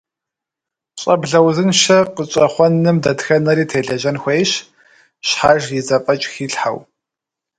Щӏэблэ узыншэ къытщӏэхъуэным дэтхэнэри телэжьэн хуейщ, щхьэж и зэфӏэкӏ хилъхьэу.